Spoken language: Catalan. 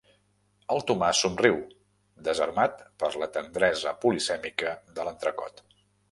El Tomàs somriu, desarmat per la tendresa polisèmica de l'entrecot.